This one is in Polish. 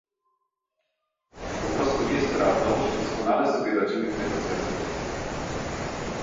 Po prostu nie jest prawdą, że doskonale sobie radzimy w negocjacjach